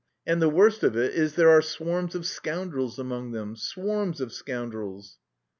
And the worst of it is there are swarms of scoundrels among them, swarms of scoundrels!"